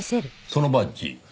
そのバッジ。